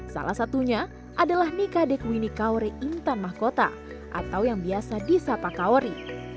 salah satunya adalah nikah dekwini kaori intan mahkota atau yang biasa disapa kaori